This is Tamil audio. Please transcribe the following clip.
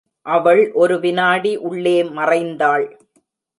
அவள் ஒரு விநாடி உள்ளே மறைந்தாள்.